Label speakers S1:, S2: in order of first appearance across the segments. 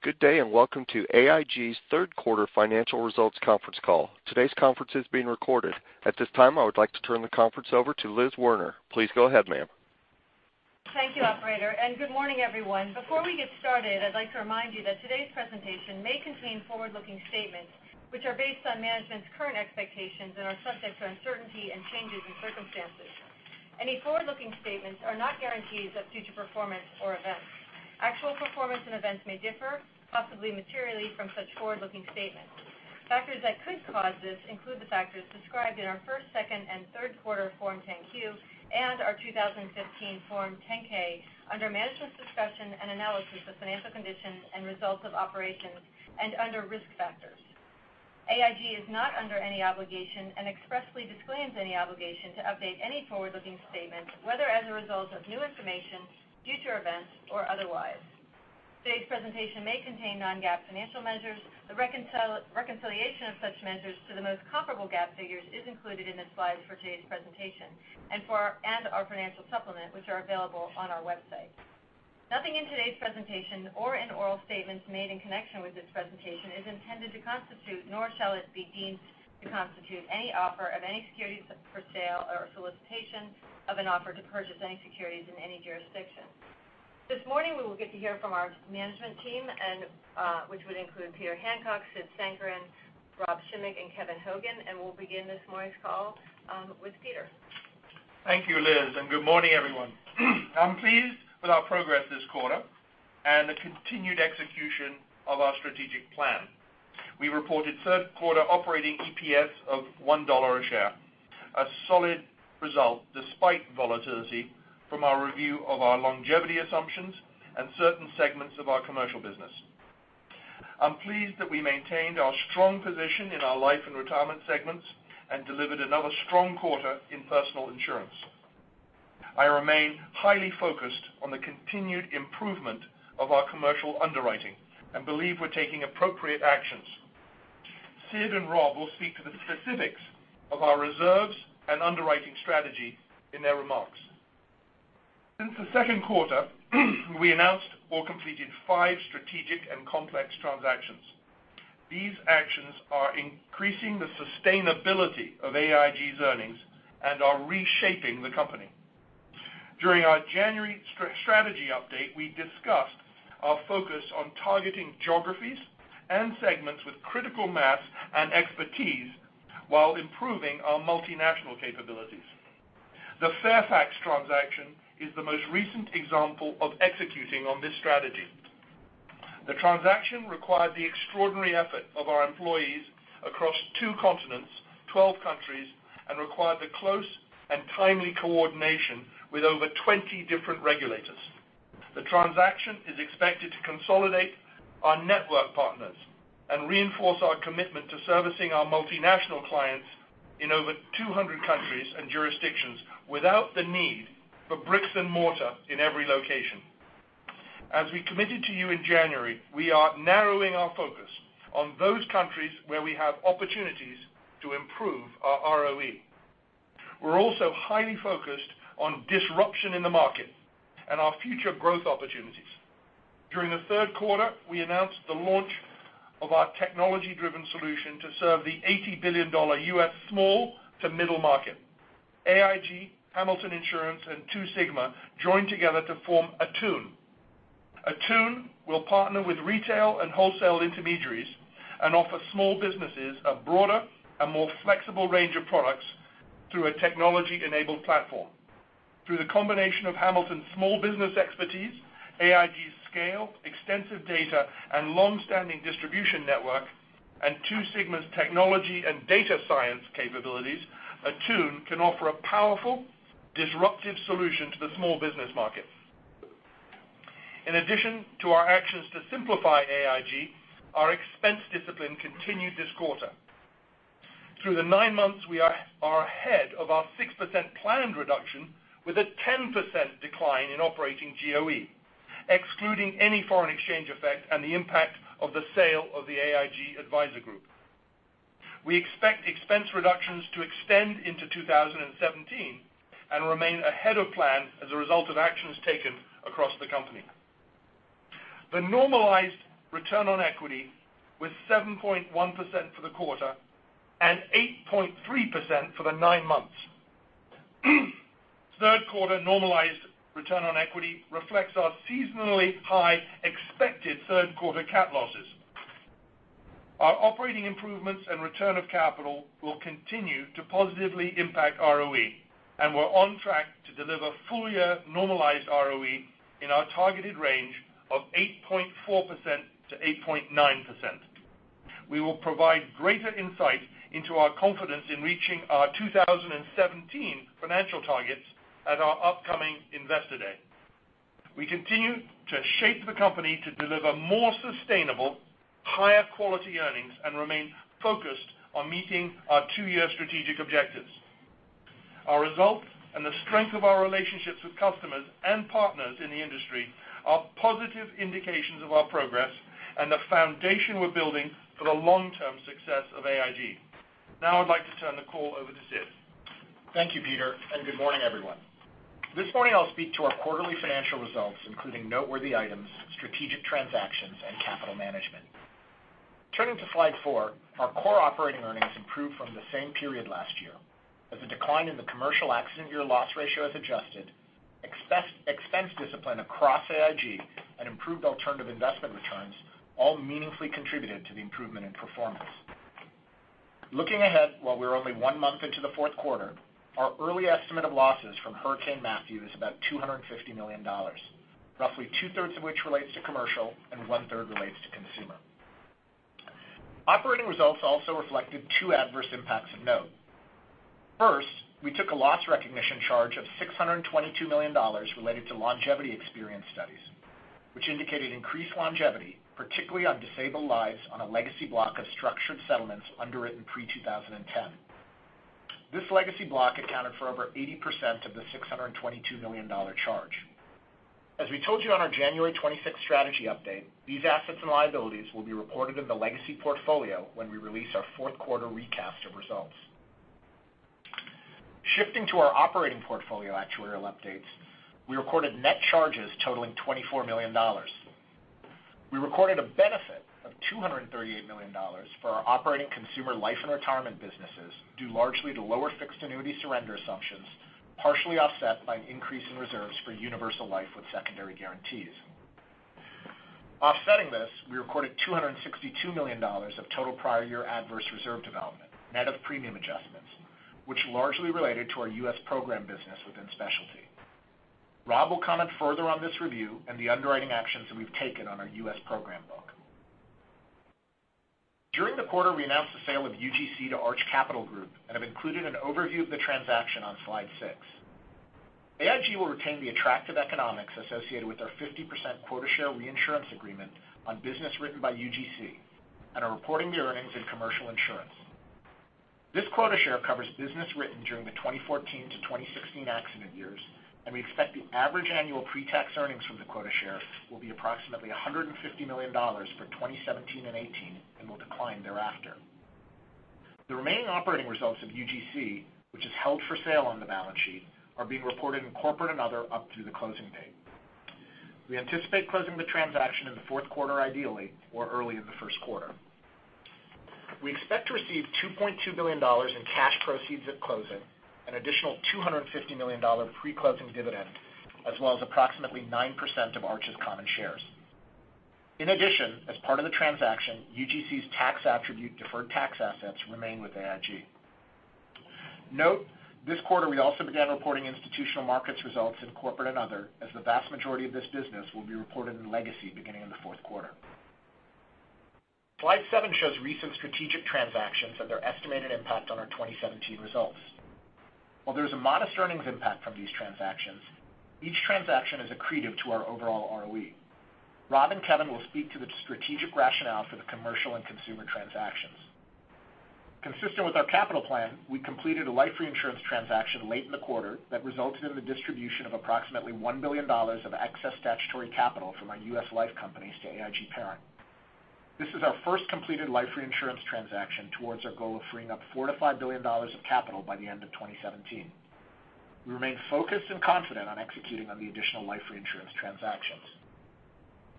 S1: Good day, welcome to AIG's third quarter financial results conference call. Today's conference is being recorded. At this time, I would like to turn the conference over to Liz Werner. Please go ahead, ma'am.
S2: Thank you, operator, good morning, everyone. Before we get started, I'd like to remind you that today's presentation may contain forward-looking statements which are based on management's current expectations and are subject to uncertainty and changes in circumstances. Any forward-looking statements are not guarantees of future performance or events. Actual performance and events may differ, possibly materially, from such forward-looking statements. Factors that could cause this include the factors described in our first, second, and third quarter Form 10-Q and our 2015 Form 10-K under Management's Discussion and Analysis of Financial Condition and Results of Operations and under Risk Factors. AIG is not under any obligation and expressly disclaims any obligation to update any forward-looking statements, whether as a result of new information, future events, or otherwise. Today's presentation may contain non-GAAP financial measures. The reconciliation of such measures to the most comparable GAAP figures is included in the slides for today's presentation and our financial supplement, which are available on our website. Nothing in today's presentation or in oral statements made in connection with this presentation is intended to constitute, nor shall it be deemed to constitute any offer of any securities for sale or solicitation of an offer to purchase any securities in any jurisdiction. This morning, we will get to hear from our management team, which will include Peter Hancock, Sid Sankaran, Rob Schimek, and Kevin Hogan. We'll begin this morning's call with Peter.
S3: Thank you, Liz, good morning, everyone. I'm pleased with our progress this quarter and the continued execution of our strategic plan. We reported third-quarter operating EPS of $1 a share, a solid result despite volatility from our review of our longevity assumptions and certain segments of our commercial business. I'm pleased that I maintained our strong position in our Life and Retirement segments and delivered another strong quarter in Personal Insurance. I remain highly focused on the continued improvement of our commercial underwriting and believe we're taking appropriate actions. Sid and Rob will speak to the specifics of our reserves and underwriting strategy in their remarks. Since the second quarter, we announced or completed five strategic and complex transactions. These actions are increasing the sustainability of AIG's earnings and are reshaping the company. During our January strategy update, we discussed our focus on targeting geographies and segments with critical mass and expertise while improving our multinational capabilities. The Fairfax transaction is the most recent example of executing on this strategy. The transaction required the extraordinary effort of our employees across 2 continents, 12 countries, and required the close and timely coordination with over 20 different regulators. The transaction is expected to consolidate our network partners and reinforce our commitment to servicing our multinational clients in over 200 countries and jurisdictions without the need for bricks and mortar in every location. As we committed to you in January, we are narrowing our focus on those countries where we have opportunities to improve our ROE. We're also highly focused on disruption in the market and our future growth opportunities. During the third quarter, we announced the launch of our technology-driven solution to serve the $80 billion U.S. small to middle market. AIG, Hamilton Insurance Group, and Two Sigma joined together to form Attune. Attune will partner with retail and wholesale intermediaries and offer small businesses a broader and more flexible range of products through a technology-enabled platform. Through the combination of Hamilton's small business expertise, AIG's scale, extensive data, and long-standing distribution network, and Two Sigma's technology and data science capabilities, Attune can offer a powerful, disruptive solution to the small business market. In addition to our actions to simplify AIG, our expense discipline continued this quarter. Through the 9 months, we are ahead of our 6% planned reduction, with a 10% decline in operating GOE, excluding any foreign exchange effect and the impact of the sale of the AIG Advisor Group. We expect expense reductions to extend into 2017 and remain ahead of plan as a result of actions taken across the company. The normalized return on equity was 7.1% for the quarter and 8.3% for the 9 months. Third-quarter normalized return on equity reflects our seasonally high expected third-quarter cat losses. Our operating improvements and return of capital will continue to positively impact ROE, and we're on track to deliver full-year normalized ROE in our targeted range of 8.4%-8.9%. We will provide greater insight into our confidence in reaching our 2017 financial targets at our upcoming Investor Day. We continue to shape the company to deliver more sustainable, higher quality earnings and remain focused on meeting our 2-year strategic objectives. Our results and the strength of our relationships with customers and partners in the industry are positive indications of our progress and the foundation we're building for the long-term success of AIG. Now I'd like to turn the call over to Sid.
S4: Thank you, Peter, and good morning, everyone. This morning I'll speak to our quarterly financial results, including noteworthy items, strategic transactions, and capital management. Turning to slide four, our core operating earnings improved from the same period last year as a decline in the adjusted accident year loss ratio, expense discipline across AIG, and improved alternative investment returns all meaningfully contributed to the improvement in performance. Looking ahead, while we're only one month into the fourth quarter, our early estimate of losses from Hurricane Matthew is about $250 million, roughly two-thirds of which relates to commercial and one-third relates to consumer. Operating results also reflected two adverse impacts of note. First, we took a loss recognition charge of $622 million related to longevity experience studies, which indicated increased longevity, particularly on disabled lives on a legacy block of structured settlements underwritten pre-2010. This legacy block accounted for over 80% of the $622 million charge. As we told you on our January 26th strategy update, these assets and liabilities will be reported in the legacy portfolio when we release our fourth quarter recast of results. Shifting to our operating portfolio actuarial updates, we recorded net charges totaling $24 million. We recorded a benefit of $238 million for our operating consumer life and retirement businesses, due largely to lower fixed annuity surrender assumptions, partially offset by an increase in reserves for universal life with secondary guarantees. Offsetting this, we recorded $262 million of total prior year adverse reserve development, net of premium adjustments, which largely related to our U.S. program business within specialty. Rob will comment further on this review and the underwriting actions that we've taken on our U.S. program book. During the quarter, we announced the sale of UGC to Arch Capital Group and have included an overview of the transaction on slide six. AIG will retain the attractive economics associated with our 50% quota share reinsurance agreement on business written by UGC and are reporting the earnings in commercial insurance. This quota share covers business written during the 2014-2016 accident years, and we expect the average annual pre-tax earnings from the quota share will be approximately $150 million for 2017 and 2018 and will decline thereafter. The remaining operating results of UGC, which is held for sale on the balance sheet, are being reported in corporate and other up to the closing date. We anticipate closing the transaction in the fourth quarter ideally, or early in the first quarter. We expect to receive $2.2 billion in cash proceeds at closing, an additional $250 million pre-closing dividend, as well as approximately 9% of Arch's common shares. In addition, as part of the transaction, UGC's tax attribute deferred tax assets remain with AIG. Note this quarter, we also began reporting Institutional Markets results in corporate and other, as the vast majority of this business will be reported in legacy beginning in the fourth quarter. Slide seven shows recent strategic transactions and their estimated impact on our 2017 results. While there's a modest earnings impact from these transactions, each transaction is accretive to our overall ROE. Rob and Kevin will speak to the strategic rationale for the Commercial and Consumer transactions. Consistent with our capital plan, we completed a life reinsurance transaction late in the quarter that resulted in the distribution of approximately $1 billion of excess statutory capital from our U.S. Life companies to AIG Parent. This is our first completed life reinsurance transaction towards our goal of freeing up $4 billion-$5 billion of capital by the end of 2017. We remain focused and confident on executing on the additional life reinsurance transactions.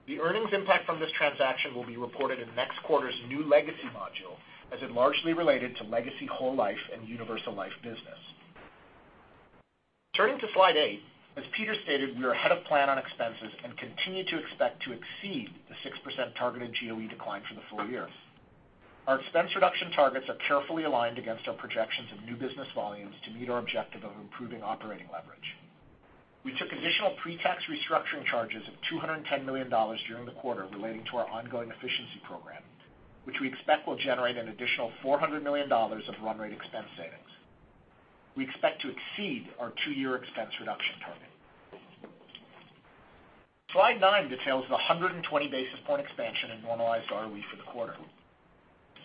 S4: The earnings impact from this transaction will be reported in next quarter's new Legacy module, as it largely related to legacy whole life and universal life business. Turning to slide 8, as Peter stated, we are ahead of plan on expenses and continue to expect to exceed the 6% targeted GOE decline for the full year. Our expense reduction targets are carefully aligned against our projections of new business volumes to meet our objective of improving operating leverage. We took additional pre-tax restructuring charges of $210 million during the quarter relating to our ongoing efficiency program, which we expect will generate an additional $400 million of run rate expense savings. We expect to exceed our two-year expense reduction target. Slide 9 details the 120 basis point expansion in normalized ROE for the quarter.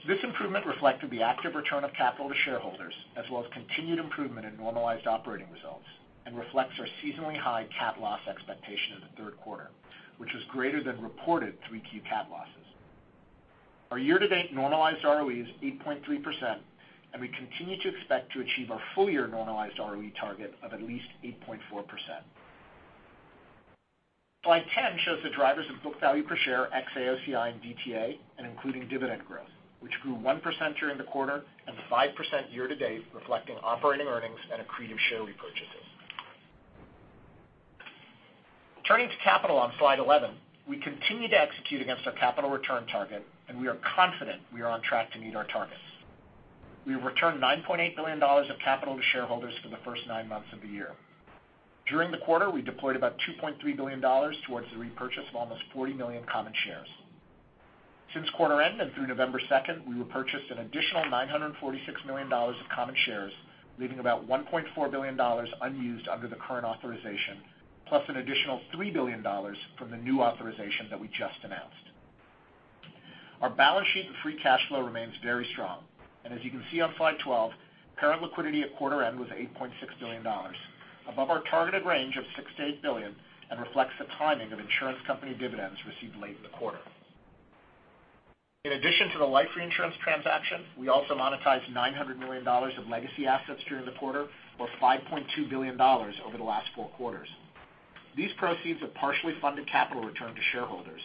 S4: This improvement reflected the active return of capital to shareholders, as well as continued improvement in normalized operating results, and reflects our seasonally high cat loss expectation in the third quarter, which was greater than reported 3Q cat losses. Our year-to-date normalized ROE is 8.3%, and we continue to expect to achieve our full-year normalized ROE target of at least 8.4%. Slide 10 shows the drivers of book value per share ex-AOCI and DTA and including dividend growth, which grew 1% during the quarter and 5% year-to-date, reflecting operating earnings and accretive share repurchases. Turning to capital on slide 11, we continue to execute against our capital return target, and we are confident we are on track to meet our targets. We have returned $9.8 billion of capital to shareholders for the first nine months of the year. During the quarter, we deployed about $2.3 billion towards the repurchase of almost 40 million common shares. Since quarter end and through November 2nd, we repurchased an additional $946 million of common shares, leaving about $1.4 billion unused under the current authorization, plus an additional $3 billion from the new authorization that we just announced. Our balance sheet and free cash flow remains very strong, and as you can see on slide 12, parent liquidity at quarter end was $8.6 billion, above our targeted range of $6 billion-$8 billion, and reflects the timing of insurance company dividends received late in the quarter. In addition to the life reinsurance transaction, we also monetized $900 million of legacy assets during the quarter, or $5.2 billion over the last 4 quarters. These proceeds have partially funded capital return to shareholders.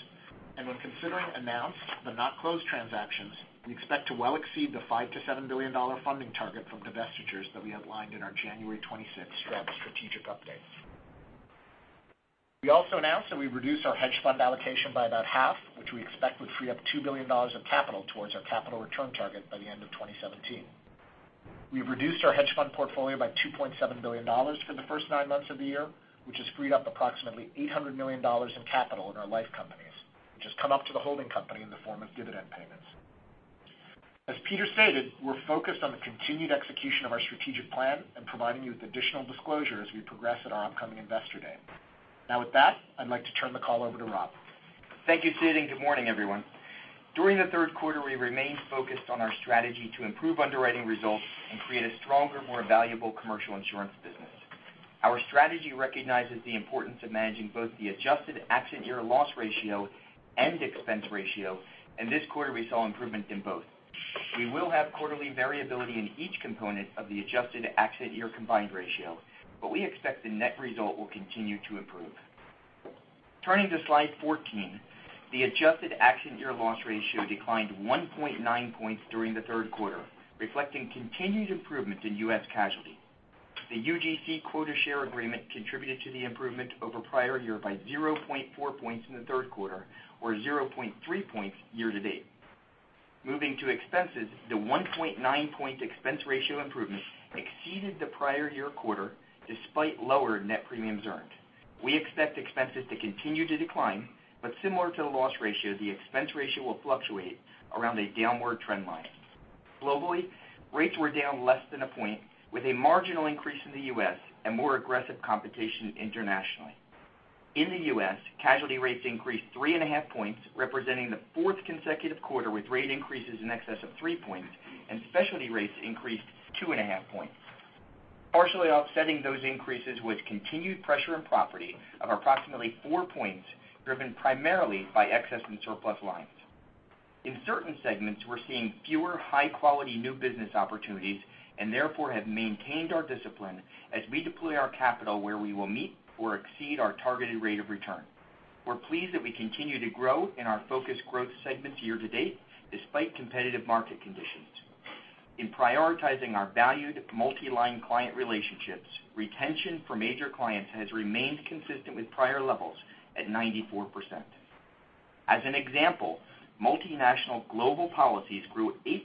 S4: When considering announced but not closed transactions, we expect to well exceed the $5 billion-$7 billion funding target from divestitures that we outlined in our January 26th strategic update. We also announced that we reduced our hedge fund allocation by about half, which we expect would free up $2 billion of capital towards our capital return target by the end of 2017. We've reduced our hedge fund portfolio by $2.7 billion for the first nine months of the year, which has freed up approximately $800 million in capital in our life companies, which has come up to the holding company in the form of dividend payments. As Peter stated, we're focused on the continued execution of our strategic plan and providing you with additional disclosure as we progress at our upcoming investor day. With that, I'd like to turn the call over to Rob.
S5: Thank you, Sid, and good morning, everyone. During the third quarter, we remained focused on our strategy to improve underwriting results and create a stronger, more valuable Commercial Insurance business. Our strategy recognizes the importance of managing both the adjusted accident year loss ratio and expense ratio. This quarter, we saw improvements in both. We will have quarterly variability in each component of the adjusted accident year combined ratio, but we expect the net result will continue to improve. Turning to slide 14, the adjusted accident year loss ratio declined 1.9 points during the third quarter, reflecting continued improvements in U.S. casualty. The UGC quota share agreement contributed to the improvement over prior year by 0.4 points in the third quarter or 0.3 points year to date. Moving to expenses, the 1.9 point expense ratio improvement exceeded the prior year quarter despite lower net premiums earned. We expect expenses to continue to decline, but similar to the loss ratio, the expense ratio will fluctuate around a downward trend line. Globally, rates were down less than a point, with a marginal increase in the U.S. and more aggressive competition internationally. In the U.S., casualty rates increased three and a half points, representing the fourth consecutive quarter with rate increases in excess of three points. Specialty rates increased two and a half points. Partially offsetting those increases was continued pressure in property of approximately four points, driven primarily by excess and surplus lines. In certain segments, we're seeing fewer high-quality new business opportunities and therefore have maintained our discipline as we deploy our capital where we will meet or exceed our targeted rate of return. We're pleased that we continue to grow in our focused growth segments year to date, despite competitive market conditions. In prioritizing our valued multi-line client relationships, retention for major clients has remained consistent with prior levels at 94%. As an example, multinational global policies grew 8%,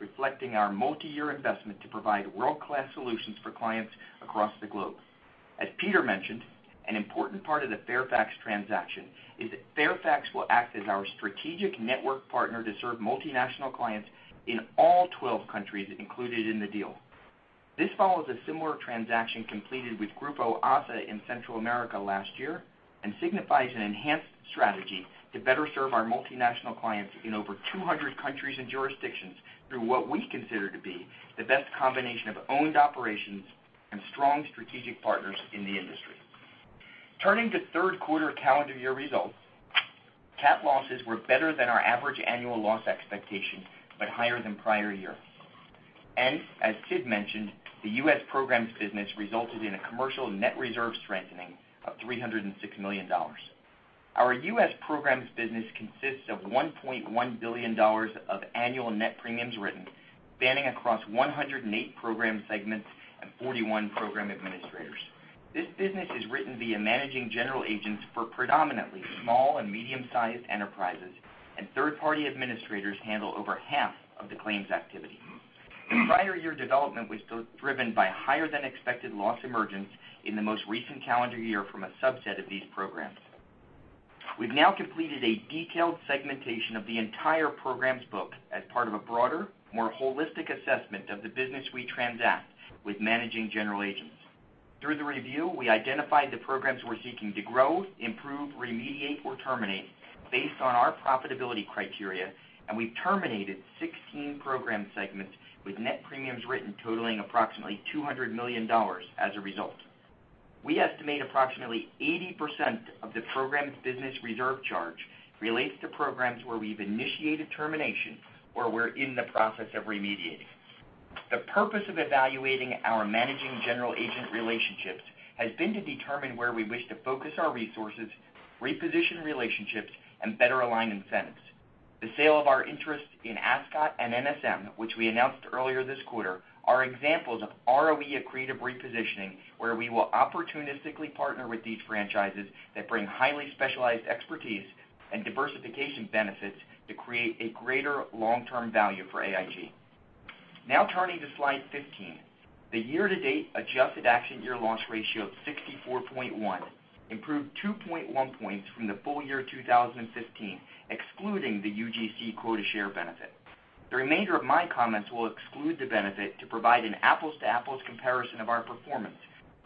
S5: reflecting our multiyear investment to provide world-class solutions for clients across the globe. As Peter mentioned, an important part of the Fairfax transaction is that Fairfax will act as our strategic network partner to serve multinational clients in all 12 countries included in the deal. This follows a similar transaction completed with Grupo ASSA in Central America last year and signifies an enhanced strategy to better serve our multinational clients in over 200 countries and jurisdictions through what we consider to be the best combination of owned operations and strong strategic partners in the industry. Turning to third quarter calendar year results, cat losses were better than our average annual loss expectations but higher than prior year. As Sid mentioned, the U.S. Programs business resulted in a Commercial net reserve strengthening of $306 million. Our U.S. Programs business consists of $1.1 billion of annual net premiums written, spanning across 108 program segments and 41 program administrators. This business is written via managing general agents for predominantly small and medium-sized enterprises, and third-party administrators handle over half of the claims activity. The prior year development was driven by higher than expected loss emergence in the most recent calendar year from a subset of these programs. We've now completed a detailed segmentation of the entire Programs book as part of a broader, more holistic assessment of the business we transact with managing general agents. Through the review, we identified the programs we're seeking to grow, improve, remediate, or terminate based on our profitability criteria, and we've terminated 16 program segments with net premiums written totaling approximately $200 million as a result. We estimate approximately 80% of the Programs business reserve charge relates to programs where we've initiated termination or we're in the process of remediating. The purpose of evaluating our managing general agent relationships has been to determine where we wish to focus our resources, reposition relationships, and better align incentives. The sale of our interests in Ascot and NSM, which we announced earlier this quarter, are examples of ROE accretive repositioning, where we will opportunistically partner with these franchises that bring highly specialized expertise and diversification benefits to create a greater long-term value for AIG. Turning to slide 15. The year-to-date adjusted accident year loss ratio of 64.1 improved 2.1 points from the full year 2015, excluding the UGC quota share benefit. The remainder of my comments will exclude the benefit to provide an apples to apples comparison of our performance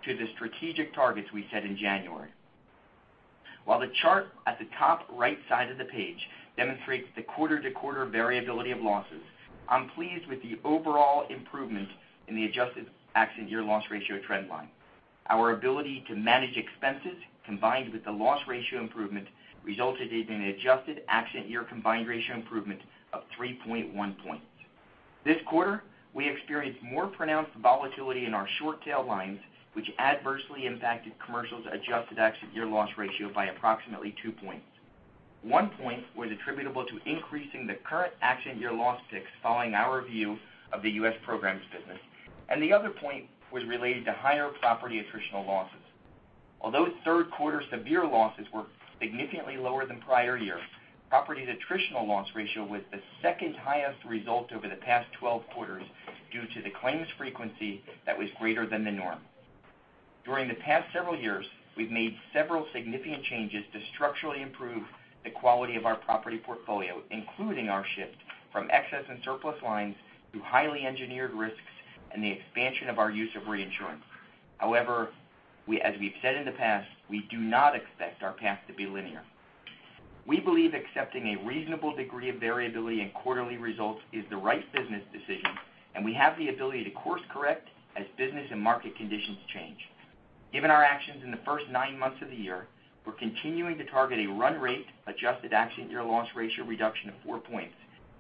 S5: to the strategic targets we set in January. While the chart at the top right side of the page demonstrates the quarter-to-quarter variability of losses, I'm pleased with the overall improvement in the adjusted accident year loss ratio trend line. Our ability to manage expenses, combined with the loss ratio improvement, resulted in an adjusted accident year combined ratio improvement of 3.1 points. This quarter, we experienced more pronounced volatility in our short tail lines, which adversely impacted Commercial's adjusted accident year loss ratio by approximately two points. One point was attributable to increasing the current accident year loss fix following our review of the U.S. programs business, and the other point was related to higher property attritional losses. Although third quarter severe losses were significantly lower than prior years, property attritional loss ratio was the second highest result over the past 12 quarters due to the claims frequency that was greater than the norm. During the past several years, we've made several significant changes to structurally improve the quality of our property portfolio, including our shift from excess and surplus lines to highly engineered risks and the expansion of our use of reinsurance. As we've said in the past, we do not expect our path to be linear. We believe accepting a reasonable degree of variability in quarterly results is the right business decision, we have the ability to course-correct as business and market conditions change. Given our actions in the first nine months of the year, we're continuing to target a run rate adjusted accident year loss ratio reduction of four points,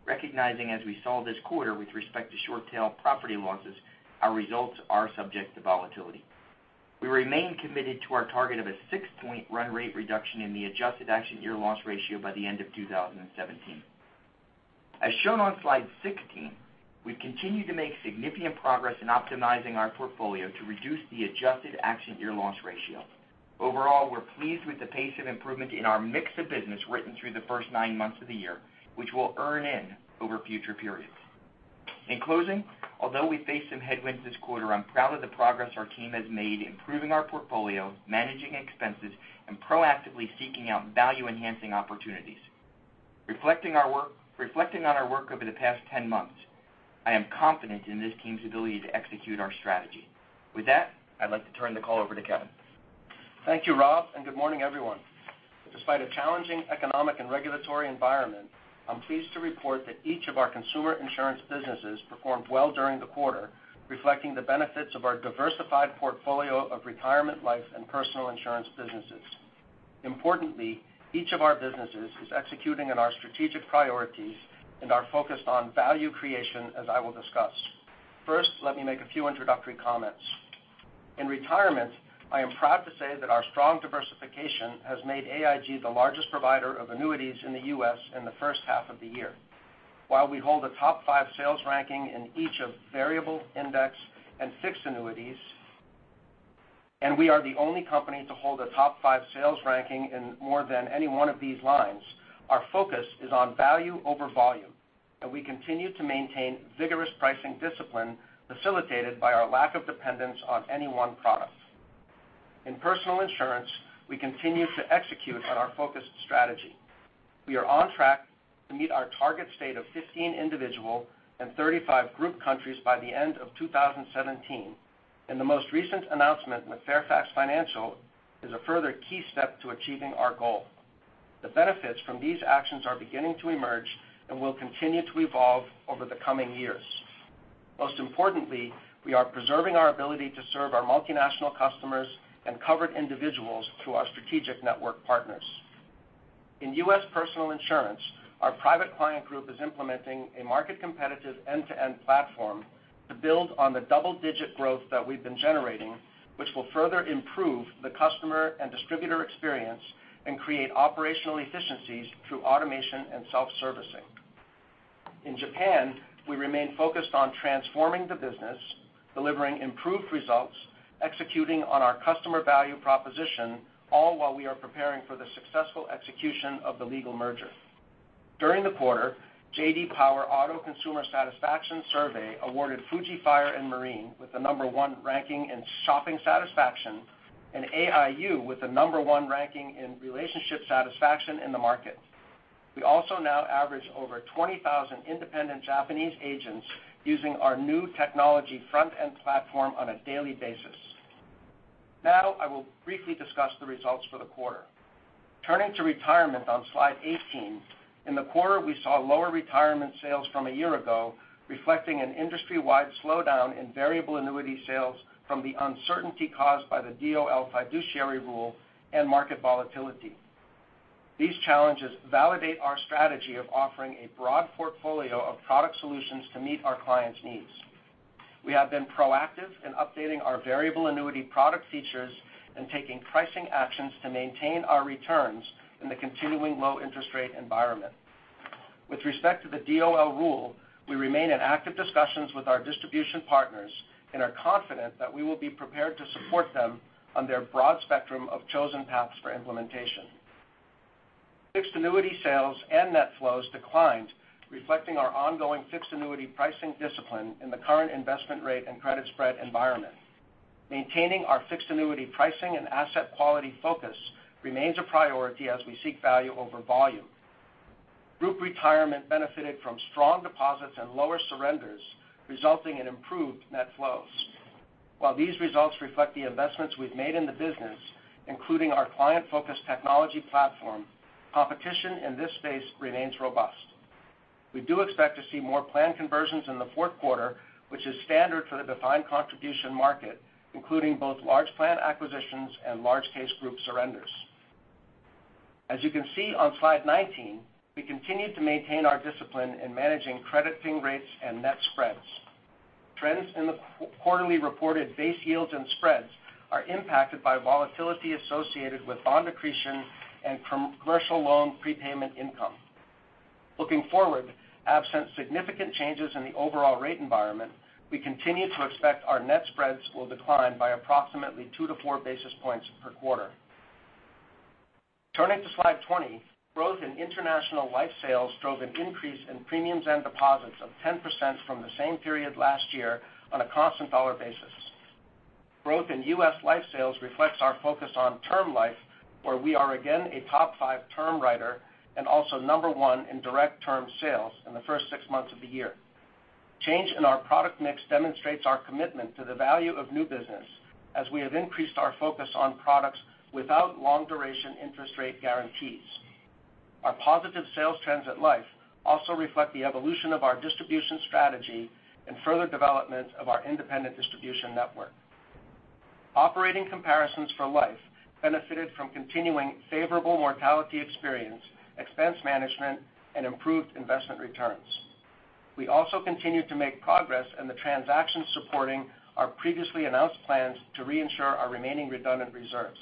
S5: recognizing, as we saw this quarter with respect to short tail property losses, our results are subject to volatility. We remain committed to our target of a six-point run rate reduction in the adjusted accident year loss ratio by the end of 2017. As shown on slide 16, we've continued to make significant progress in optimizing our portfolio to reduce the adjusted accident year loss ratio. Overall, we're pleased with the pace of improvement in our mix of business written through the first nine months of the year, which we'll earn in over future periods. In closing, although we faced some headwinds this quarter, I'm proud of the progress our team has made improving our portfolio, managing expenses, and proactively seeking out value-enhancing opportunities. Reflecting on our work over the past 10 months, I am confident in this team's ability to execute our strategy. With that, I'd like to turn the call over to Kevin.
S6: Thank you, Rob, good morning, everyone. Despite a challenging economic and regulatory environment, I'm pleased to report that each of our consumer insurance businesses performed well during the quarter, reflecting the benefits of our diversified portfolio of Retirement, Life, and Personal Insurance businesses. Importantly, each of our businesses is executing on our strategic priorities and are focused on value creation, as I will discuss. Let me make a few introductory comments. In Retirement, I am proud to say that our strong diversification has made AIG the largest provider of annuities in the U.S. in the first half of the year. While we hold a top five sales ranking in each of variable, index, and fixed annuities, and we are the only company to hold a top five sales ranking in more than any one of these lines, our focus is on value over volume, and we continue to maintain vigorous pricing discipline, facilitated by our lack of dependence on any one product. In Personal Insurance, we continue to execute on our focused strategy. We are on track to meet our target state of 15 individual and 35 group countries by the end of 2017, and the most recent announcement with Fairfax Financial is a further key step to achieving our goal. The benefits from these actions are beginning to emerge and will continue to evolve over the coming years. Most importantly, we are preserving our ability to serve our multinational customers and covered individuals through our strategic network partners. In U.S. Personal Insurance, our Private Client Group is implementing a market-competitive end-to-end platform to build on the double-digit growth that we've been generating, which will further improve the customer and distributor experience and create operational efficiencies through automation and self-servicing. In Japan, we remain focused on transforming the business, delivering improved results, executing on our customer value proposition, all while we are preparing for the successful execution of the legal merger. During the quarter, J.D. Power Auto Consumer Satisfaction Survey awarded Fuji Fire and Marine with the number one ranking in shopping satisfaction and AIU with the number one ranking in relationship satisfaction in the market. We also now average over 20,000 independent Japanese agents using our new technology front-end platform on a daily basis. I will briefly discuss the results for the quarter. Turning to Retirement on slide 18, in the quarter, we saw lower Retirement sales from a year ago, reflecting an industry-wide slowdown in variable annuity sales from the uncertainty caused by the DOL fiduciary rule and market volatility. These challenges validate our strategy of offering a broad portfolio of product solutions to meet our clients' needs. We have been proactive in updating our variable annuity product features and taking pricing actions to maintain our returns in the continuing low interest rate environment. With respect to the DOL rule, we remain in active discussions with our distribution partners and are confident that we will be prepared to support them on their broad spectrum of chosen paths for implementation. Fixed annuity sales and net flows declined, reflecting our ongoing fixed annuity pricing discipline in the current investment rate and credit spread environment. Maintaining our fixed annuity pricing and asset quality focus remains a priority as we seek value over volume. Group Retirement benefited from strong deposits and lower surrenders, resulting in improved net flows. While these results reflect the investments we've made in the business, including our client-focused technology platform, competition in this space remains robust. We do expect to see more plan conversions in the fourth quarter, which is standard for the defined contribution market, including both large plan acquisitions and large case group surrenders. As you can see on slide 19, we continue to maintain our discipline in managing crediting rates and net spreads. Trends in the quarterly reported base yields and spreads are impacted by volatility associated with bond accretion and commercial loan prepayment income. Looking forward, absent significant changes in the overall rate environment, we continue to expect our net spreads will decline by approximately two to four basis points per quarter. Turning to slide 20, growth in international life sales drove an increase in premiums and deposits of 10% from the same period last year on a constant dollar basis. Growth in U.S. life sales reflects our focus on term life, where we are again a top five term writer and also number one in direct term sales in the first six months of the year. Change in our product mix demonstrates our commitment to the value of new business, as we have increased our focus on products without long duration interest rate guarantees. Our positive sales trends at life also reflect the evolution of our distribution strategy and further development of our independent distribution network. Operating comparisons for life benefited from continuing favorable mortality experience, expense management, and improved investment returns. We also continue to make progress in the transactions supporting our previously announced plans to reinsure our remaining redundant reserves.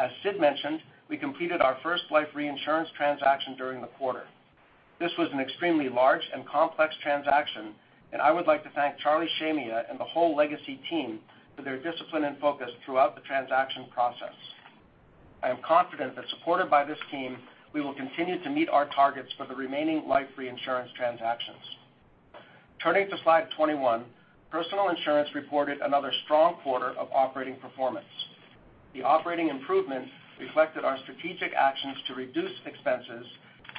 S6: As Sid mentioned, we completed our first life reinsurance transaction during the quarter. This was an extremely large and complex transaction, and I would like to thank Charlie Shamieh and the whole Legacy team for their discipline and focus throughout the transaction process. I am confident that supported by this team, we will continue to meet our targets for the remaining life reinsurance transactions. Turning to slide 21, Personal Insurance reported another strong quarter of operating performance. The operating improvement reflected our strategic actions to reduce expenses,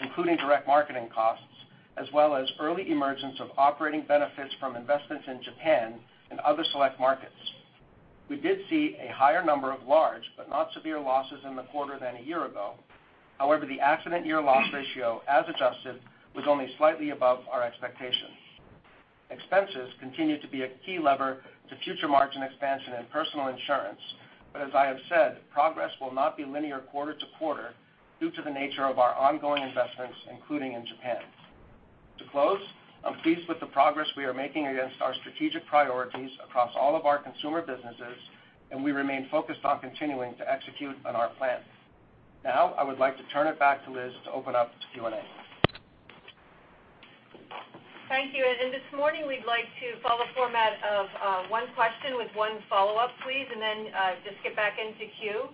S6: including direct marketing costs, as well as early emergence of operating benefits from investments in Japan and other select markets. We did see a higher number of large but not severe losses in the quarter than a year ago. However, the accident year loss ratio, as adjusted, was only slightly above our expectations. Expenses continue to be a key lever to future margin expansion in Personal Insurance. As I have said, progress will not be linear quarter to quarter due to the nature of our ongoing investments, including in Japan. To close, I'm pleased with the progress we are making against our strategic priorities across all of our consumer businesses, and we remain focused on continuing to execute on our plan. Now, I would like to turn it back to Liz to open up to Q&A.
S2: Thank you. This morning we'd like to follow format of one question with one follow-up, please, and then just get back into queue.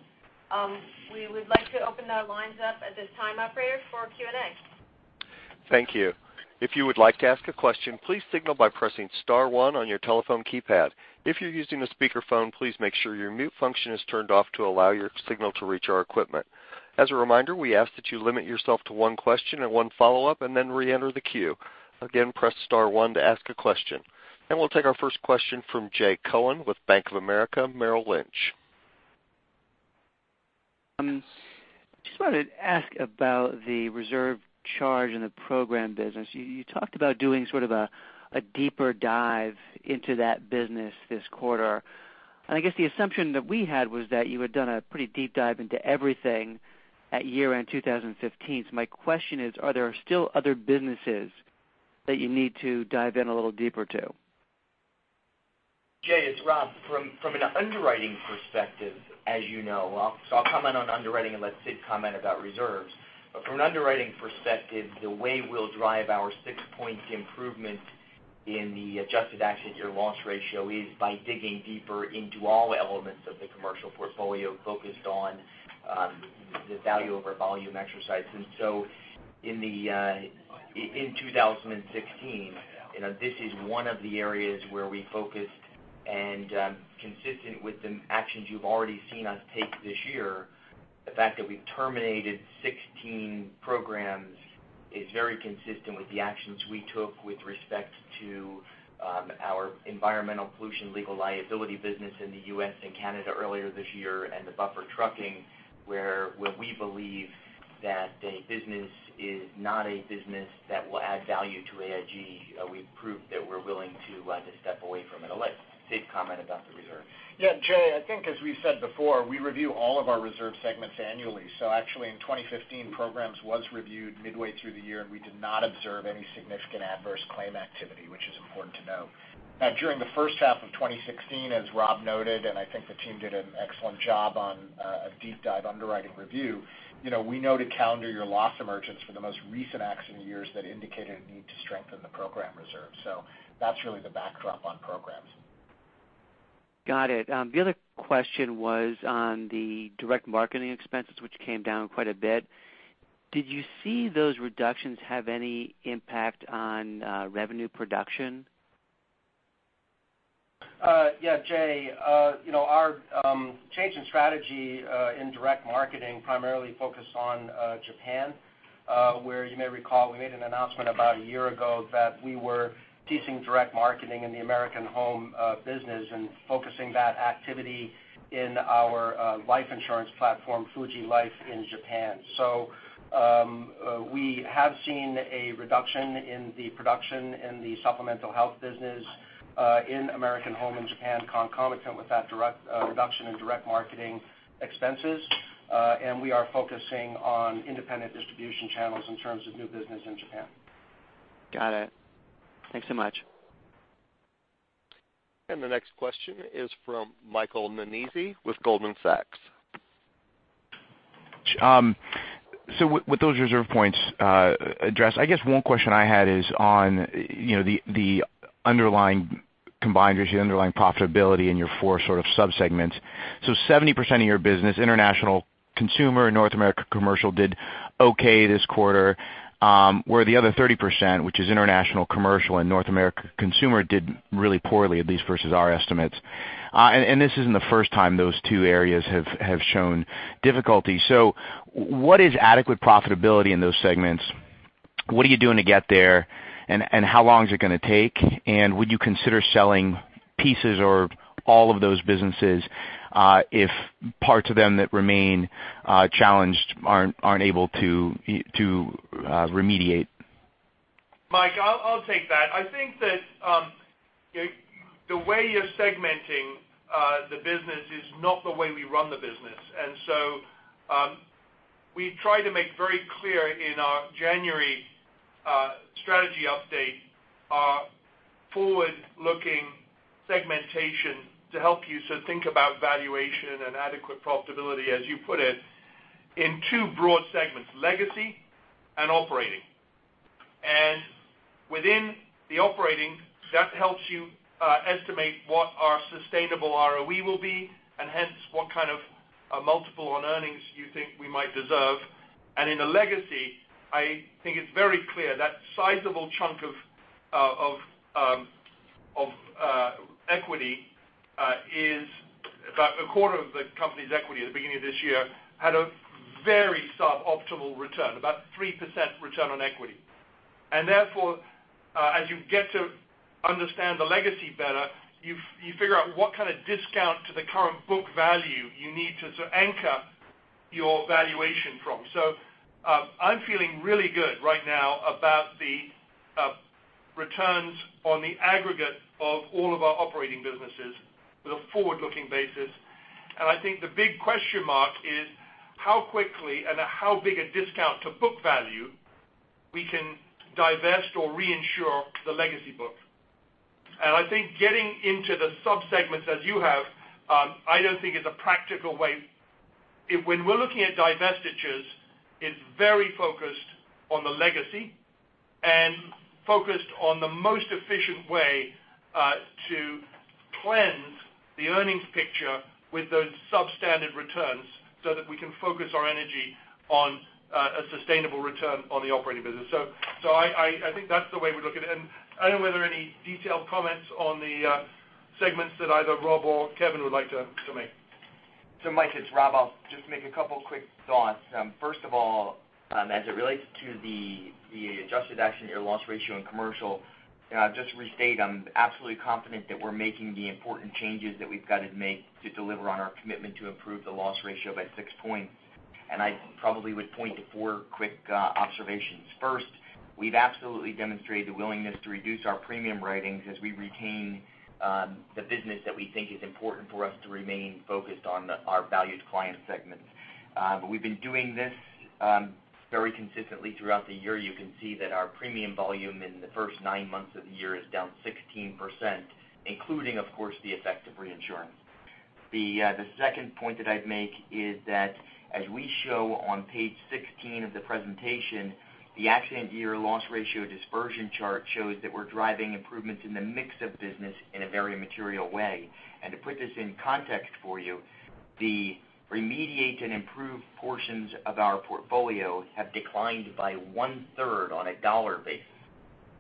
S2: We would like to open the lines up at this time, operator, for Q&A.
S1: Thank you. If you would like to ask a question, please signal by pressing *1 on your telephone keypad. If you're using a speakerphone, please make sure your mute function is turned off to allow your signal to reach our equipment. As a reminder, we ask that you limit yourself to one question and one follow-up, and then reenter the queue. Again, press *1 to ask a question. We'll take our first question from Jay Cohen with Bank of America Merrill Lynch.
S7: I just wanted to ask about the reserve charge in the program business. You talked about doing sort of a deeper dive into that business this quarter. I guess the assumption that we had was that you had done a pretty deep dive into everything at year-end 2015. My question is, are there still other businesses that you need to dive in a little deeper to?
S5: Jay, it's Rob. From an underwriting perspective, as you know, I'll comment on underwriting and let Sid comment about reserves. From an underwriting perspective, the way we'll drive our six points improvement in the adjusted accident year loss ratio is by digging deeper into all elements of the Commercial portfolio focused on the value of our volume exercise. In 2016, this is one of the areas where we focused and consistent with the actions you've already seen us take this year. The fact that we've terminated 16 programs is very consistent with the actions we took with respect to our environmental pollution legal liability business in the U.S. and Canada earlier this year, and the buffer trucking, where we believe that a business is not a business that will add value to AIG, we've proved that we're willing to let it step away from it. I'll let Sid comment about the reserve.
S4: Jay, I think as we've said before, we review all of our reserve segments annually. Actually in 2015, programs was reviewed midway through the year, and we did not observe any significant adverse claim activity, which is important to note. During the first half of 2016, as Rob noted, and I think the team did an excellent job on a deep dive underwriting review. We noted calendar year loss emergence for the most recent accident years that indicated a need to strengthen the program reserve. That's really the backdrop on programs.
S7: Got it. The other question was on the direct marketing expenses, which came down quite a bit. Did you see those reductions have any impact on revenue production?
S6: Yeah, Jay, our change in strategy in direct marketing primarily focused on Japan, where you may recall we made an announcement about a year ago that we were ceasing direct marketing in the American Home business and focusing that activity in our life insurance platform, Fuji Life, in Japan. We have seen a reduction in the production in the supplemental health business in American Home in Japan concomitant with that reduction in direct marketing expenses. We are focusing on independent distribution channels in terms of new business in Japan.
S7: Got it. Thanks so much.
S1: The next question is from Michael Nannizzi with Goldman Sachs.
S8: With those reserve points addressed, I guess one question I had is on the underlying combined ratio, underlying profitability in your four sort of sub-segments. 70% of your business, international consumer and North America commercial did okay this quarter, where the other 30%, which is international commercial and North America consumer, did really poorly, at least versus our estimates. This isn't the first time those two areas have shown difficulty. What is adequate profitability in those segments? What are you doing to get there? How long is it going to take? Would you consider selling pieces or all of those businesses if parts of them that remain challenged aren't able to remediate?
S3: Mike, I'll take that. I think that the way you're segmenting the business is not the way we run the business. We tried to make very clear in our January strategy update our forward-looking segmentation to help you think about valuation and adequate profitability, as you put it, in two broad segments, legacy and operating. Within the operating, that helps you estimate what our sustainable ROE will be, and hence, what kind of multiple on earnings you think we might deserve. In the legacy, I think it's very clear that sizable chunk of equity is about a quarter of the company's equity at the beginning of this year, had a very suboptimal return, about 3% return on equity. Therefore, as you get to understand the legacy better, you figure out what kind of discount to the current book value you need to anchor your valuation from. I'm feeling really good right now about the returns on the aggregate of all of our operating businesses with a forward-looking basis. I think the big question mark is how quickly and how big a discount to book value we can divest or reinsure the legacy book. I think getting into the sub-segments as you have, I don't think is a practical way. When we're looking at divestitures, it's very focused on the legacy and focused on the most efficient way to cleanse the earnings picture with those substandard returns so that we can focus our energy on a sustainable return on the operating business. I think that's the way we look at it. I don't know whether any detailed comments on the segments that either Rob or Kevin would like to make.
S5: Mike, it's Rob. I'll just make a couple quick thoughts. First of all, as it relates to the adjusted accident year loss ratio in commercial, just to restate, I'm absolutely confident that we're making the important changes that we've got to make to deliver on our commitment to improve the loss ratio by six points. I probably would point to four quick observations. First, we've absolutely demonstrated the willingness to reduce our premium writings as we retain the business that we think is important for us to remain focused on our valued client segments. We've been doing this very consistently throughout the year. You can see that our premium volume in the first nine months of the year is down 16%, including, of course, the effect of reinsurance. The second point that I'd make is that as we show on page 16 of the presentation, the adjusted accident year loss ratio dispersion chart shows that we're driving improvements in the mix of business in a very material way. To put this in context for you, the remediate and improve portions of our portfolio have declined by one-third on a dollar base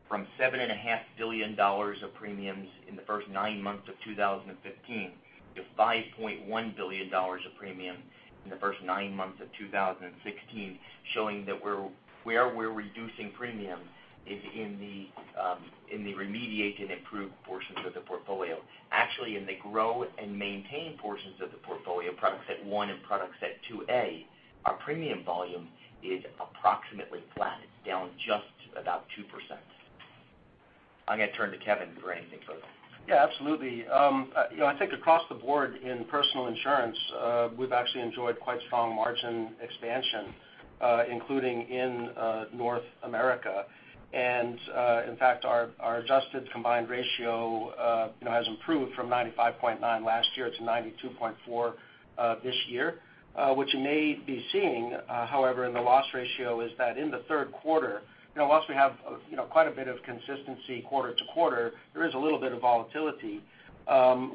S5: from $7.5 billion of premiums in the first nine months of 2015 to $5.1 billion of premium in the first nine months of 2016, showing that where we're reducing premium is in the remediate and improve portions of the portfolio. Actually, in the grow and maintain portions of the portfolio, product set one and product set 2A, our premium volume is approximately flat, down just about 2%. I'm going to turn to Kevin for anything further.
S6: Yeah, absolutely. I think across the board in Personal Insurance, we've actually enjoyed quite strong margin expansion, including in North America. In fact, our adjusted combined ratio has improved from 95.9 last year to 92.4 this year. What you may be seeing, however, in the loss ratio is that in the third quarter, whilst we have quite a bit of consistency quarter-to-quarter, there is a little bit of volatility.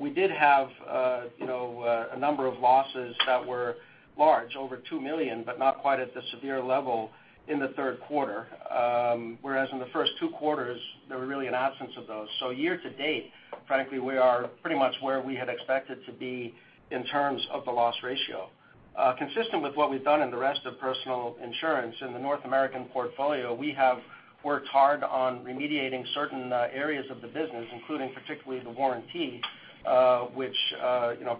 S6: We did have a number of losses that were large, over $2 million, but not quite at the severe level in the third quarter. Whereas in the first two quarters, there were really an absence of those. Year to date, frankly, we are pretty much where we had expected to be in terms of the loss ratio. Consistent with what we've done in the rest of Personal Insurance in the North American portfolio, we have worked hard on remediating certain areas of the business, including particularly the warranty, which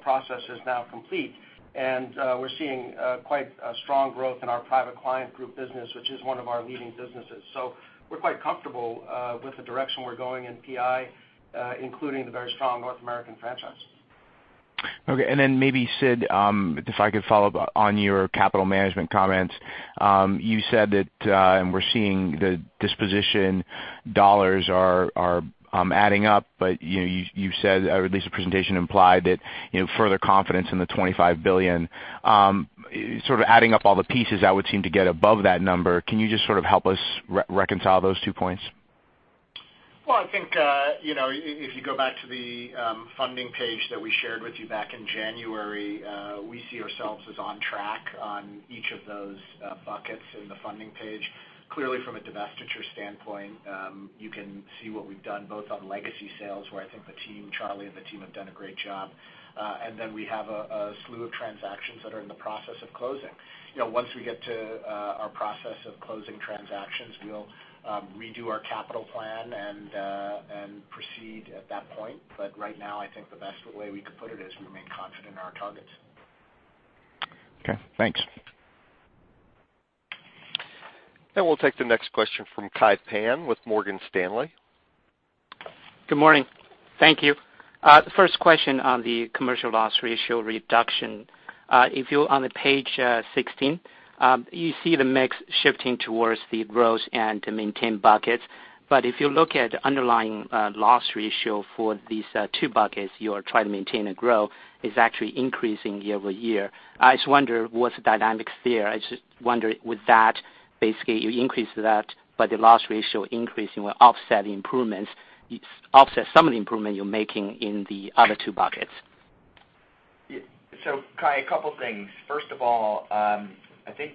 S6: process is now complete. We're seeing quite a strong growth in our Private Client Group business, which is one of our leading businesses. We're quite comfortable with the direction we're going in PI, including the very strong North American franchise.
S8: Okay. Then maybe Sid, if I could follow up on your capital management comments. You said that, we're seeing the disposition dollars are adding up, you said, or at least the presentation implied that further confidence in the $25 billion. Adding up all the pieces, that would seem to get above that number. Can you just help us reconcile those two points?
S4: I think if you go back to the funding page that we shared with you back in January, we see ourselves as on track on each of those buckets in the funding page. Clearly, from a divestiture standpoint, you can see what we've done both on legacy sales, where I think the team, Charlie and the team have done a great job. We have a slew of transactions that are in the process of closing. Once we get to our process of closing transactions, we'll redo our capital plan and proceed at that point. Right now, I think the best way we could put it is we remain confident in our targets.
S8: Okay, thanks.
S1: We'll take the next question from Kai Pan with Morgan Stanley.
S9: Good morning. Thank you. First question on the Commercial loss ratio reduction. If you are on page 16, you see the mix shifting towards the growth and to maintain buckets. If you look at underlying loss ratio for these two buckets, you are trying to maintain a growth, is actually increasing year-over-year. I just wonder what's the dynamics there. I just wonder with that, basically, you increase that, the loss ratio increase will offset some of the improvement you're making in the other two buckets.
S5: Kai, a couple things. First of all, I think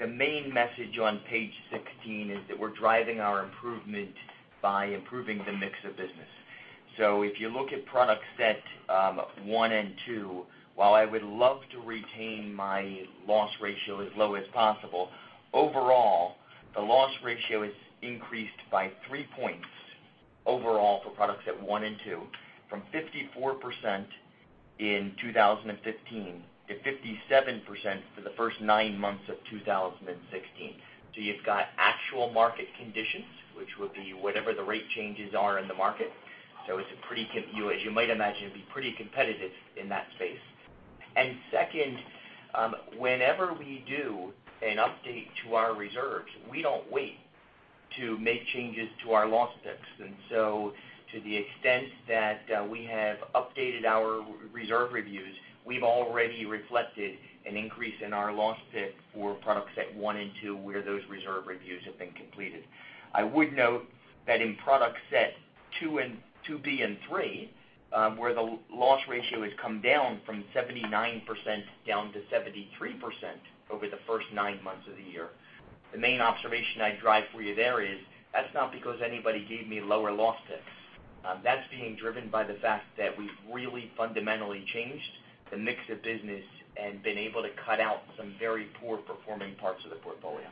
S5: the main message on page 16 is that we're driving our improvement by improving the mix of business. If you look at product set one and two, while I would love to retain my loss ratio as low as possible, overall, the loss ratio is increased by three points overall for products at one and two from 54% in 2015 to 57% for the first nine months of 2016. You've got actual market conditions, which will be whatever the rate changes are in the market. As you might imagine, it'd be pretty competitive in that space. Second, whenever we do an update to our reserves, we don't wait to make changes to our loss picks. To the extent that we have updated our reserve reviews, we've already reflected an increase in our loss pick for product set 1 and 2 where those reserve reviews have been completed. I would note that in product set 2B and 3, where the loss ratio has come down from 79% down to 73% over the first nine months of the year, the main observation I'd drive for you there is, that's not because anybody gave me lower loss picks. That's being driven by the fact that we've really fundamentally changed the mix of business and been able to cut out some very poor performing parts of the portfolio.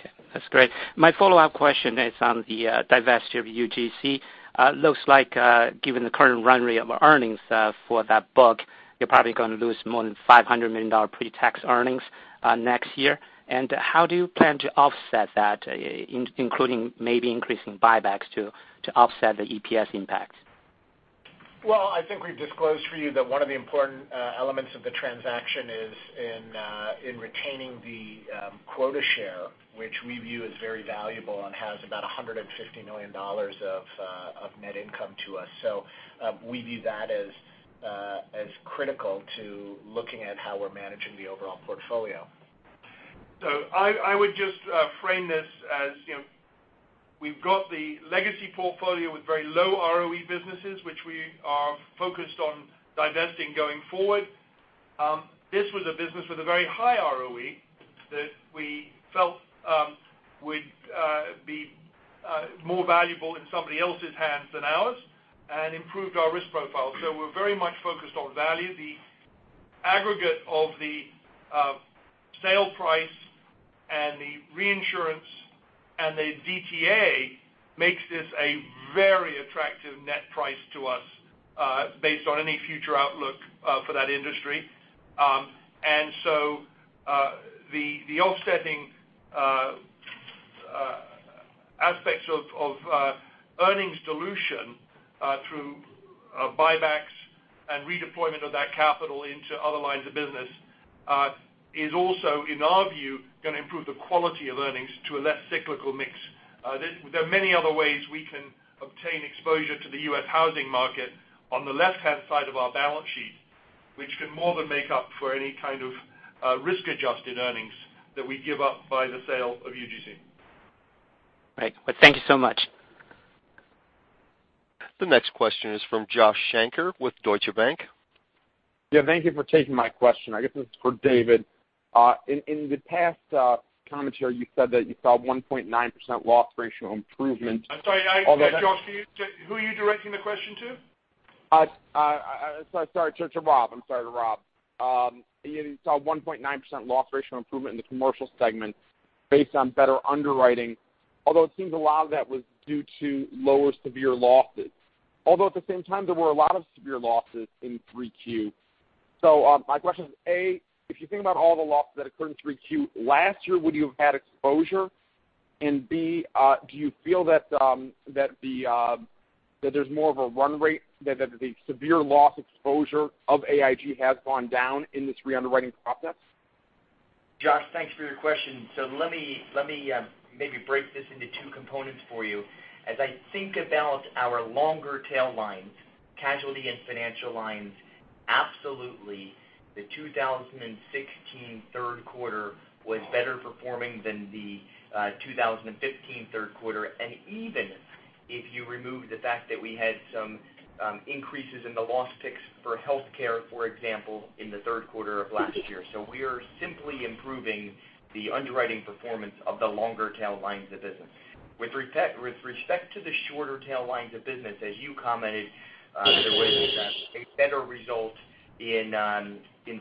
S9: Okay, that's great. My follow-up question is on the divesture of UGC. Looks like given the current run rate of earnings for that book, you're probably going to lose more than $500 million pre-tax earnings next year. How do you plan to offset that, including maybe increasing buybacks to offset the EPS impact?
S3: Well, I think we've disclosed for you that one of the important elements of the transaction is in retaining the quota share, which we view as very valuable and has about $150 million of net income to us. We view that as critical to looking at how we're managing the overall portfolio.
S4: I would just frame this as we've got the legacy portfolio with very low ROE businesses, which we are focused on divesting going forward. This was a business with a very high ROE that we felt would be more valuable in somebody else's hands than ours and improved our risk profile. We're very much focused on value. The aggregate of the sale price and the reinsurance and the DTA makes this a very attractive net price to us based on any future outlook for that industry. The offsetting aspects of earnings dilution through buybacks and redeployment of that capital into other lines of business is also, in our view, going to improve the quality of earnings to a less cyclical mix. There are many other ways we can obtain exposure to the U.S. housing market on the left-hand side of our balance sheet, which can more than make up for any kind of risk-adjusted earnings that we give up by the sale of UGC.
S9: Right. Well, thank you so much.
S1: The next question is from Josh Shanker with Deutsche Bank.
S10: Yeah, thank you for taking my question. I guess this is for David. In the past commentary, you said that you saw a 1.9% loss ratio improvement.
S3: I'm sorry, Josh, who are you directing the question to?
S10: Sorry. To Rob. I'm sorry, Rob. You saw a 1.9% loss ratio improvement in the Commercial segment based on better underwriting, although it seems a lot of that was due to lower severe losses. Although at the same time, there were a lot of severe losses in Q3. My question is, A, if you think about all the losses that occurred in Q3 last year, would you have had exposure? B, do you feel that there's more of a run rate that the severe loss exposure of AIG has gone down in this re-underwriting process?
S5: Josh, thanks for your question. Let me maybe break this into two components for you. As I think about our longer tail lines, casualty and financial lines, absolutely, the 2016 third quarter was better performing than the 2015 third quarter. Even if you remove the fact that we had some increases in the loss picks for healthcare, for example, in the third quarter of last year. We are simply improving the underwriting performance of the longer tail lines of business. With respect to the shorter tail lines of business, as you commented, there was a better result in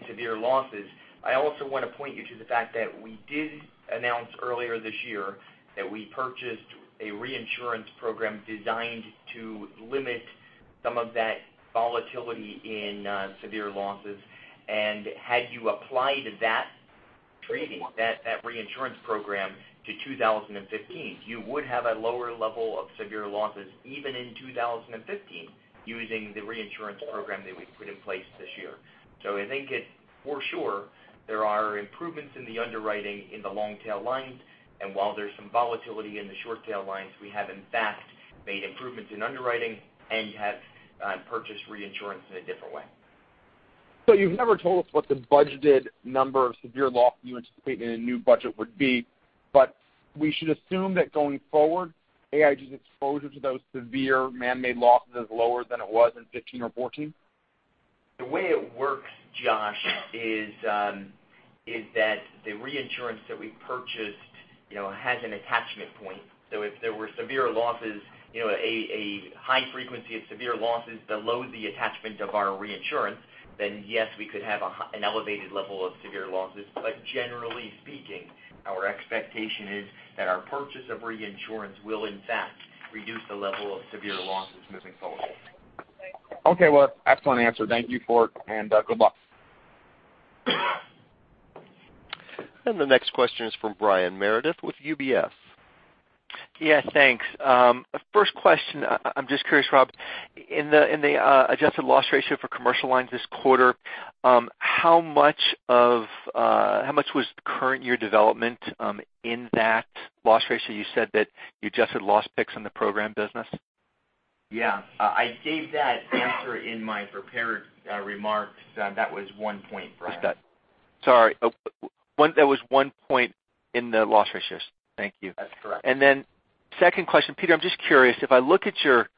S5: severe losses. I also want to point you to the fact that we did announce earlier this year that we purchased a reinsurance program designed to limit some of that volatility in severe losses. Had you applied that reinsurance program to 2015, you would have a lower level of severe losses even in 2015, using the reinsurance program that we put in place this year. I think for sure there are improvements in the underwriting in the long-tail lines, and while there's some volatility in the short-tail lines, we have in fact made improvements in underwriting and have purchased reinsurance in a different way.
S10: You've never told us what the budgeted number of severe loss you anticipate in a new budget would be, but we should assume that going forward, AIG's exposure to those severe manmade losses is lower than it was in 2015 or 2014?
S5: The way it works, Josh, is that the reinsurance that we purchased has an attachment point. If there were severe losses, a high frequency of severe losses below the attachment of our reinsurance, then yes, we could have an elevated level of severe losses. Generally speaking, our expectation is that our purchase of reinsurance will in fact reduce the level of severe losses moving forward.
S10: Okay. Well, excellent answer. Thank you for it, and good luck.
S1: The next question is from Brian Meredith with UBS.
S11: Yeah, thanks. First question, I'm just curious, Rob, in the adjusted loss ratio for Commercial Insurance this quarter, how much was the current year development in that loss ratio? You said that you adjusted loss picks in the program business.
S5: Yeah, I gave that answer in my prepared remarks. That was one point, Brian.
S11: Sorry. That was one point in the loss ratios. Thank you.
S5: That's correct.
S11: Second question. Peter, I'm just curious, if I look at your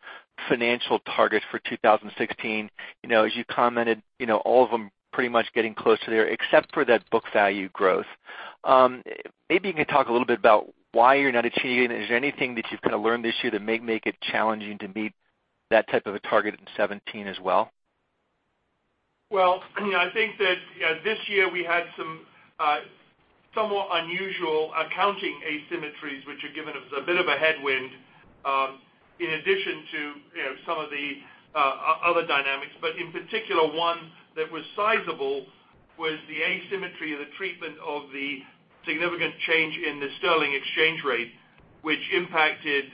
S11: financial target for 2016, as you commented, all of them pretty much getting close to there, except for that book value growth. Maybe you could talk a little bit about why you're not achieving it. Is there anything that you've kind of learned this year that may make it challenging to meet that type of a target in 2017 as well?
S3: I think that this year we had some somewhat unusual accounting asymmetries, which have given us a bit of a headwind, in addition to some of the other dynamics. In particular, one that was sizable was the asymmetry of the treatment of the significant change in the sterling exchange rate, which impacted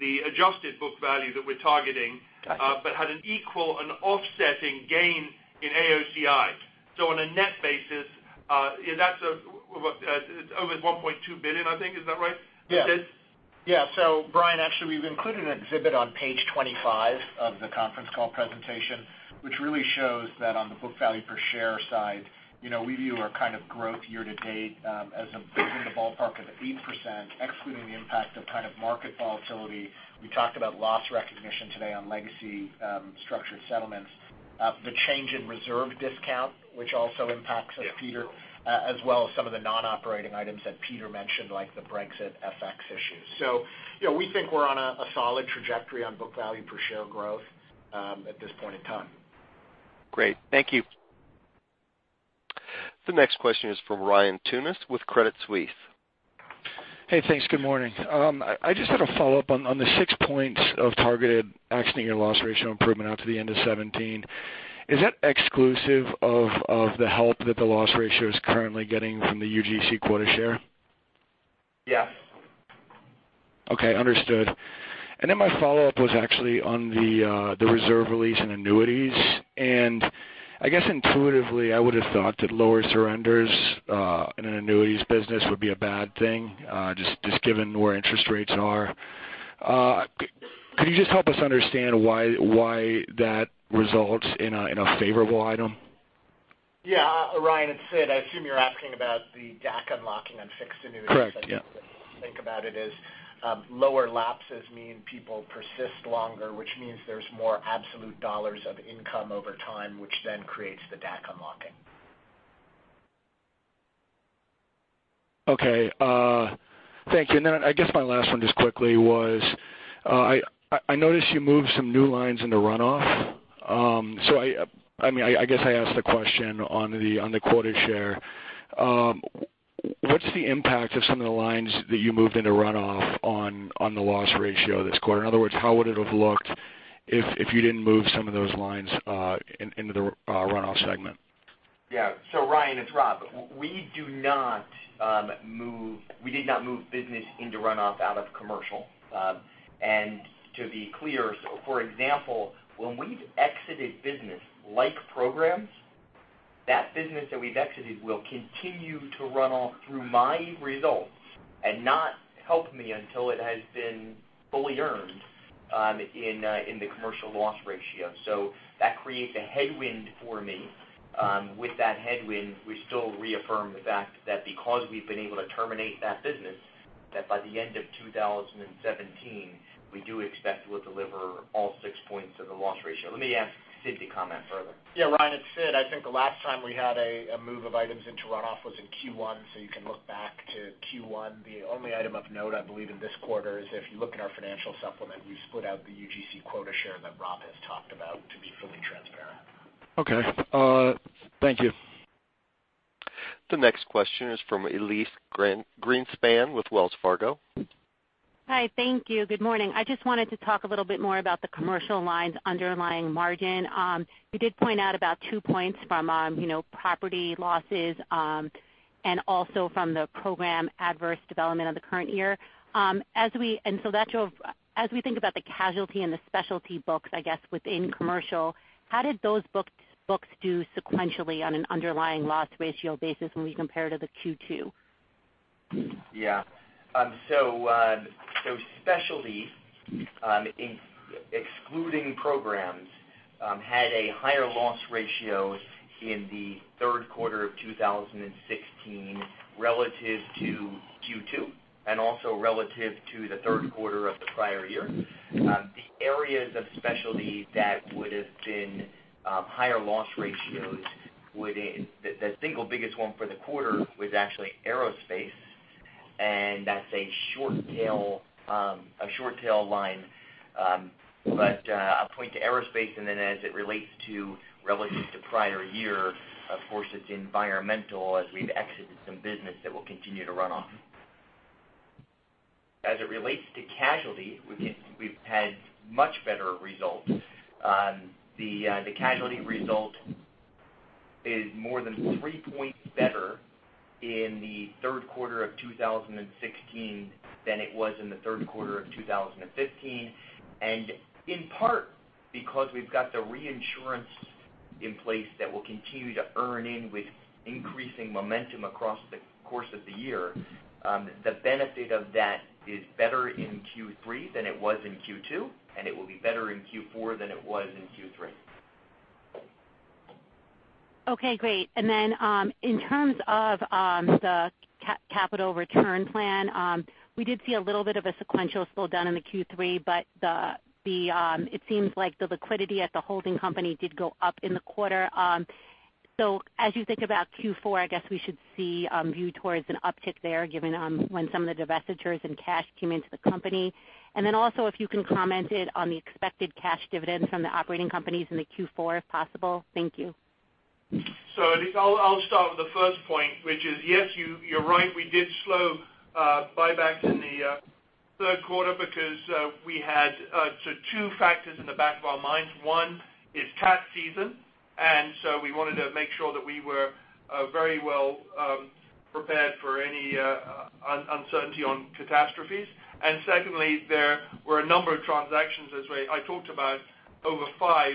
S3: the adjusted book value that we're targeting.
S11: Got you.
S3: Had an equal and offsetting gain in AOCI. On a net basis, that is over $1.2 billion, I think. Is that right?
S4: Yeah. Brian, actually, we have included an exhibit on page 25 of the conference call presentation, which really shows that on the book value per share side, we view our kind of growth year-to-date as in the ballpark of 8%, excluding the impact of kind of market volatility. We talked about loss recognition today on legacy structured settlements, the change in reserve discount, which also impacts us, Peter, as well as some of the non-operating items that Peter mentioned, like the Brexit FX issues. We think we are on a solid trajectory on book value per share growth at this point in time.
S11: Great. Thank you.
S1: The next question is from Ryan Tunis with Credit Suisse.
S12: Hey, thanks. Good morning. I just had a follow-up on the six points of targeted accident year loss ratio improvement out to the end of 2017. Is that exclusive of the help that the loss ratio is currently getting from the UGC quota share?
S5: Yes.
S12: Okay, understood. My follow-up was actually on the reserve release and annuities, and I guess intuitively, I would have thought that lower surrenders in an annuities business would be a bad thing, just given where interest rates are. Could you just help us understand why that results in a favorable item?
S4: Yeah. Ryan, it's Sid. I assume you're asking about the DAC unlocking on fixed annuities.
S12: Correct. Yeah.
S4: I think about it as lower lapses mean people persist longer, which means there's more absolute dollars of income over time, which then creates the DAC unlocking.
S12: Okay. Thank you. I guess my last one just quickly was, I noticed you moved some new lines into runoff. I guess I ask the question on the quota share. What's the impact of some of the lines that you moved into runoff on the loss ratio this quarter? In other words, how would it have looked if you didn't move some of those lines into the runoff segment?
S5: Ryan, it's Rob. We did not move business into runoff out of Commercial. To be clear, for example, when we've exited business like programs, that business that we've exited will continue to runoff through my results and not help me until it has been fully earned in the Commercial loss ratio. That creates a headwind for me. With that headwind, we still reaffirm the fact that because we've been able to terminate that business, that by the end of 2017, we do expect we'll deliver all six points of the loss ratio. Let me ask Sid to comment further.
S4: Ryan, it's Sid. I think the last time we had a move of items into runoff was in Q1, you can look back to Q1. The only item of note, I believe in this quarter is if you look in our financial supplement, we split out the UGC quota share that Rob has talked about to be fully transparent.
S12: Okay. Thank you.
S1: The next question is from Elyse Greenspan with Wells Fargo.
S13: Hi, thank you. Good morning. I just wanted to talk a little bit more about the commercial lines underlying margin. You did point out about two points from property losses, and also from the program adverse development of the current year. As we think about the casualty and the specialty books, I guess, within commercial, how did those books do sequentially on an underlying loss ratio basis when we compare to the Q2?
S5: Yeah. Specialty, excluding programs, had a higher loss ratio in the third quarter of 2016 relative to Q2, and also relative to the third quarter of the prior year. The areas of specialty that would've been higher loss ratios, the single biggest one for the quarter was actually aerospace, and that's a short tail line. I'll point to aerospace and then as it relates to relative to prior year, of course, it's environmental as we've exited some business that will continue to run off. As it relates to casualty, we've had much better results. The casualty result is more than three points better in the third quarter of 2016 than it was in the third quarter of 2015. In part, because we've got the reinsurance in place that will continue to earn in with increasing momentum across the course of the year. The benefit of that is better in Q3 than it was in Q2, and it will be better in Q4 than it was in Q3.
S13: Okay, great. In terms of the capital return plan, we did see a little bit of a sequential slowdown in the Q3, but it seems like the liquidity at the holding company did go up in the quarter. As you think about Q4, I guess we should see you towards an uptick there given when some of the divestitures and cash came into the company. Also if you can comment on the expected cash dividends from the operating companies in the Q4, if possible. Thank you.
S3: Elyse, I'll start with the first point, which is, yes, you're right. We did slow buybacks in the third quarter because we had two factors in the back of our minds. One is cat season, so we wanted to make sure that we were very well prepared for any uncertainty on catastrophes. Secondly, there were a number of transactions as I talked about, over five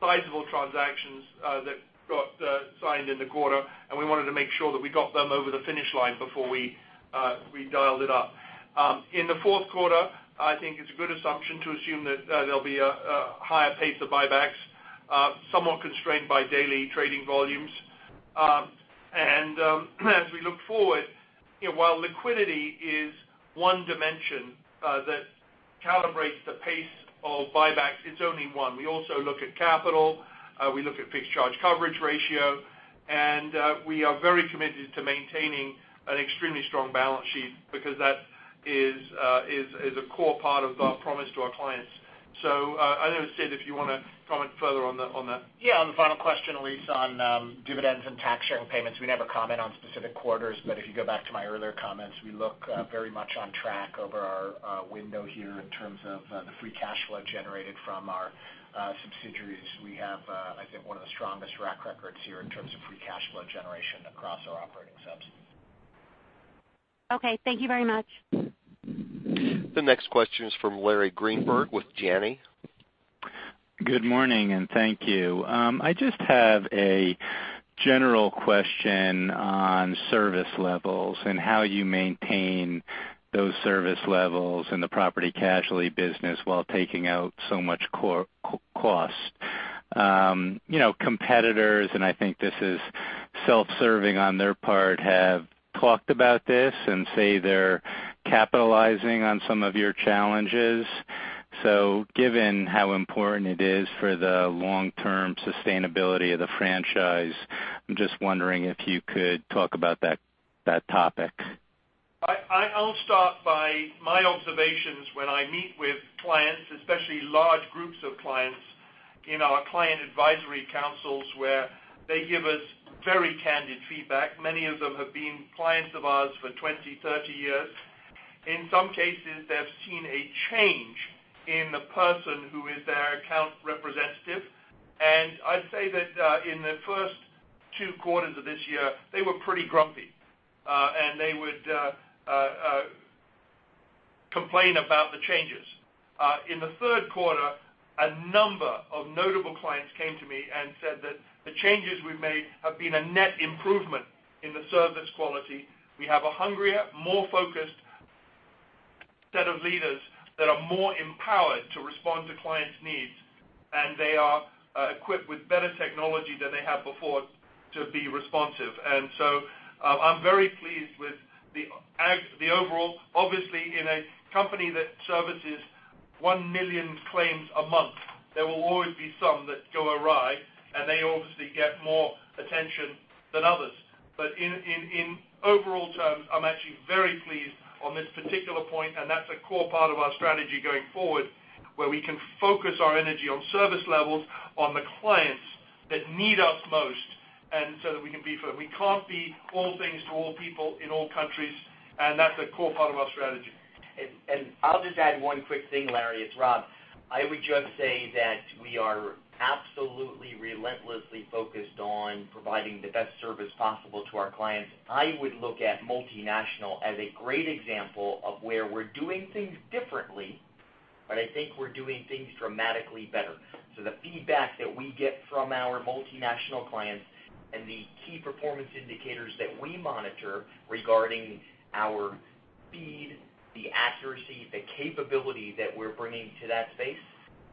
S3: sizable transactions that got signed in the quarter, and we wanted to make sure that we got them over the finish line before we dialed it up. In the fourth quarter, I think it's a good assumption to assume that there'll be a higher pace of buybacks, somewhat constrained by daily trading volumes. As we look forward, while liquidity is one dimension that calibrates the pace of buybacks, it's only one. We also look at capital, we look at fixed charge coverage ratio, and we are very committed to maintaining an extremely strong balance sheet because that is a core part of our promise to our clients. I don't know, Sid, if you want to comment further on that.
S4: Yeah. On the final question, Elyse, on dividends and tax sharing payments, we never comment on specific quarters, but if you go back to my earlier comments, we look very much on track over our window here in terms of the free cash flow generated from our subsidiaries. We have, I think one of the strongest track records here in terms of free cash flow generation across our operating subs.
S13: Okay. Thank you very much.
S1: The next question is from Larry Greenberg with Janney.
S14: Good morning, and thank you. I just have a general question on service levels and how you maintain those service levels in the property casualty business while taking out so much cost. Competitors, and I think this is self-serving on their part, have talked about this and say they're capitalizing on some of your challenges. Given how important it is for the long-term sustainability of the franchise, I'm just wondering if you could talk about that topic.
S3: I'll start by my observations when I meet with clients, especially large groups of clients in our client advisory councils, where they give us very candid feedback. Many of them have been clients of ours for 20, 30 years. In some cases, they've seen a change in the person who is their account representative. I'd say that in the first two quarters of this year, they were pretty grumpy, and they would complain about the changes. In the third quarter, a number of notable clients came to me and said that the changes we've made have been a net improvement in the service quality. We have a hungrier, more focused set of leaders that are more empowered to respond to clients' needs, and they are equipped with better technology than they had before to be responsive. I'm very pleased with the overall. Obviously, in a company that services 1 million claims a month, there will always be some that go awry, and they obviously get more attention than others. In overall terms, I'm actually very pleased on this particular point, and that's a core part of our strategy going forward, where we can focus our energy on service levels on the clients that need us most, and so that we can be for them. We can't be all things to all people in all countries, and that's a core part of our strategy.
S5: I'll just add one quick thing, Larry. It's Rob. I would just say that we are absolutely relentlessly focused on providing the best service possible to our clients. I would look at multinational as a great example of where we're doing things differently, but I think we're doing things dramatically better. The feedback that we get from our multinational clients and the key performance indicators that we monitor regarding our speed, the accuracy, the capability that we're bringing to that space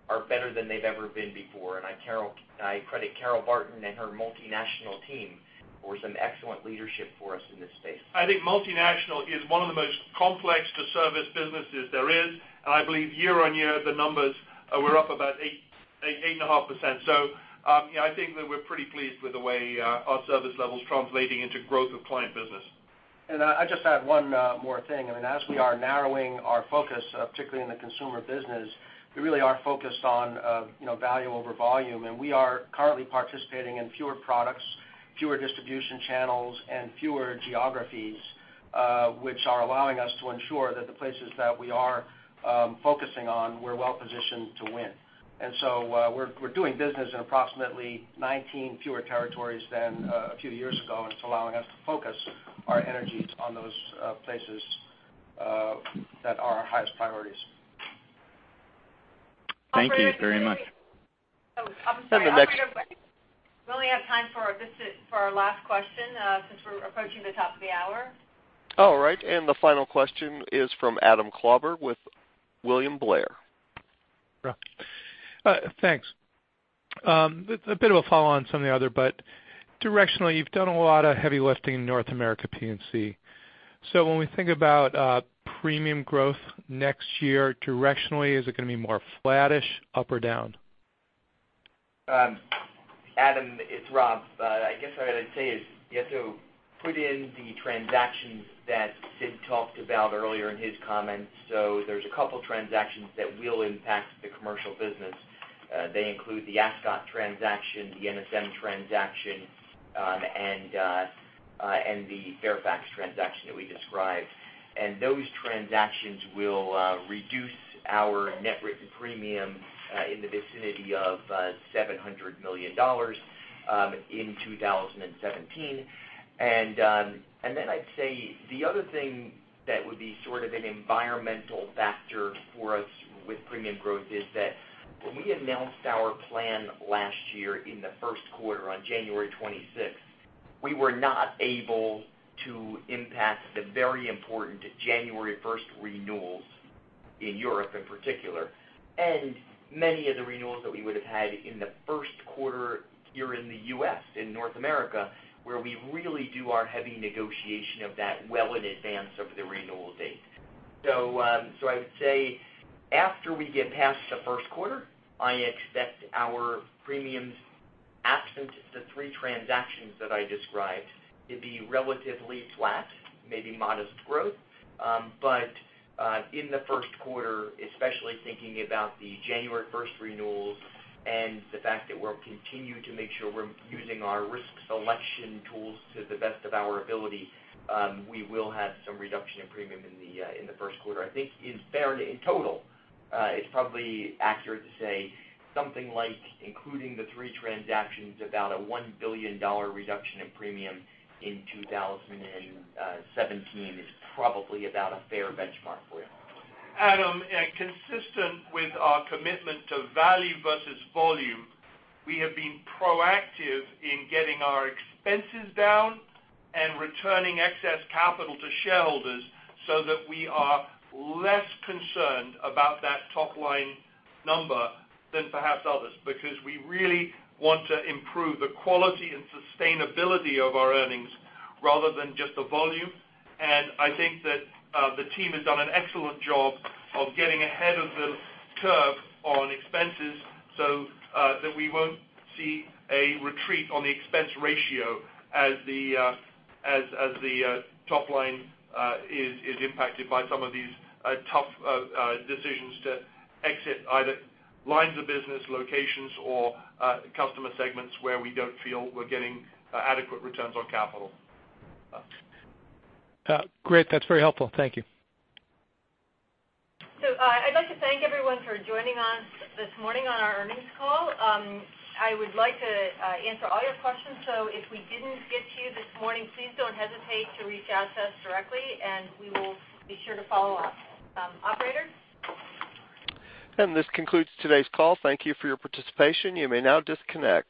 S5: are better than they've ever been before. I credit Carol Barton and her multinational team for some excellent leadership for us in this space.
S3: I think multinational is one of the most complex to service businesses there is, and I believe year-over-year, the numbers were up about 8.5%. I think that we're pretty pleased with the way our service level's translating into growth of client business.
S6: I'll just add one more thing. As we are narrowing our focus, particularly in the consumer business, we really are focused on value over volume, and we are currently participating in fewer products, fewer distribution channels, and fewer geographies, which are allowing us to ensure that the places that we are focusing on, we're well-positioned to win. So we're doing business in approximately 19 fewer territories than a few years ago. It's allowing us to focus our energies on those places that are our highest priorities.
S14: Thank you very much.
S2: Operator.
S1: The next.
S2: We only have time for our last question, since we're approaching the top of the hour.
S1: All right. The final question is from Adam Klauber with William Blair.
S15: Rob. Thanks. A bit of a follow on some of the other, but directionally, you've done a lot of heavy lifting in North America, P&C. When we think about premium growth next year, directionally, is it going to be more flattish, up or down?
S5: Adam, it's Rob. I guess what I'd say is you have to put in the transactions that Sid talked about earlier in his comments. There are two transactions that will impact the commercial business. They include the Ascot transaction, the NSM transaction, and the Fairfax transaction that we described. Those transactions will reduce our net written premium in the vicinity of $700 million in 2017. Then I'd say the other thing that would be sort of an environmental factor for us with premium growth is that when we announced our plan last year in the first quarter on January 26th, we were not able to impact the very important January 1st renewals in Europe in particular, and many of the renewals that we would have had in the first quarter here in the U.S., in North America, where we really do our heavy negotiation of that well in advance of the renewal date. I would say after we get past the first quarter, I expect our premiums, absent the three transactions that I described, to be relatively flat, maybe modest growth. In the first quarter, especially thinking about the January 1st renewals and the fact that we will continue to make sure we are using our risk selection tools to the best of our ability, we will have some reduction in premium in the first quarter. I think in total, it is probably accurate to say something like including the three transactions, about a $1 billion reduction in premium in 2017 is probably about a fair benchmark for you.
S3: Adam, consistent with our commitment to value versus volume, we have been proactive in getting our expenses down and returning excess capital to shareholders so that we are less concerned about that top-line number than perhaps others, because we really want to improve the quality and sustainability of our earnings rather than just the volume. I think that the team has done an excellent job of getting ahead of the curve on expenses so that we will not see a retreat on the expense ratio as the top line is impacted by some of these tough decisions to exit either lines of business, locations, or customer segments where we do not feel we are getting adequate returns on capital.
S15: Great. That is very helpful. Thank you.
S2: I would like to thank everyone for joining us this morning on our earnings call. I would like to answer all your questions, so if we did not get to you this morning, please do not hesitate to reach out to us directly, and we will be sure to follow up. Operator?
S3: This concludes today's call. Thank you for your participation. You may now disconnect.